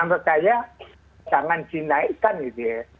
menurut saya jangan dinaikkan gitu ya